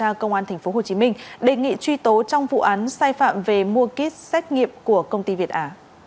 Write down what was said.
cơ quan cảnh sát điều tra công an tp hcm đề nghị truy tố trong vụ án sai phạm về mua kit xét nghiệp của công ty việt ả